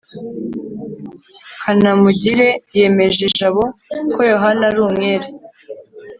kanamugire yemeje jabo ko yohana ari umwere